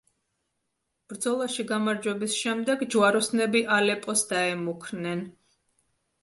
ბრძოლაში გამარჯვების შემდეგ, ჯვაროსნები ალეპოს დაემუქრნენ.